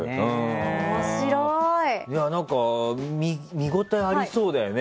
見応えありそうだよね